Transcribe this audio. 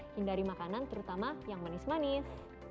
hindari makanan terutama yang manis manis